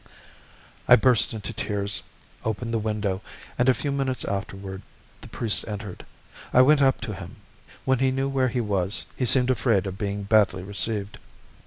I burst into tears, opened the window, and a few minutes afterward the priest entered. I went up to him; when he knew where he was, he seemed afraid of being badly received.